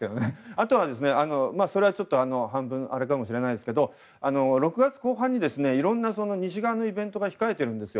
あとは、それはちょっと半分あれかもしれませんが６月後半にいろんな西側のイベントが控えているんです。